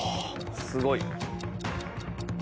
すごい。